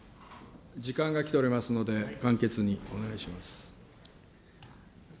時間がきておりますので、簡潔にお願いします。